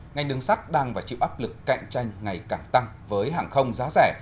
ngành đường sắt đang phải chịu áp lực cạnh tranh ngày càng tăng với hàng không giá rẻ